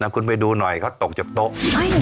คุณไปดูหน่อยเขาตกจากโต๊ะ